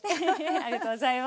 ありがとうございます。